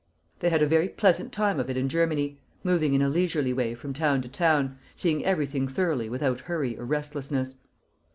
They had a very pleasant time of it in Germany, moving in a leisurely way from town to town, seeing everything thoroughly without hurry or restlessness.